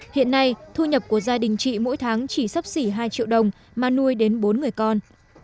hiện nay thu nhập của gia đình chị mỗi tháng chỉ sắp xỉ hai triệu đồng mà nuôi đến bốn người con